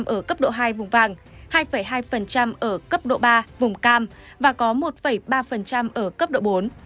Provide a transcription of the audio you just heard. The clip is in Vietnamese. hai mươi bốn hai ở cấp độ hai vùng vàng hai hai ở cấp độ ba vùng cam và có một ba ở cấp độ bốn